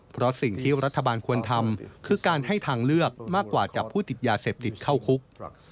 เพราะสิ่งที่รัฐบาลควรทำคือการให้ทางเลือกมากกว่าจับผู้ติดยาเสพติดเข้าคุก